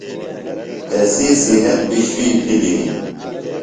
تسی صِحت بیۡ شُوئی بِھلیۡ ہِنیۡ۔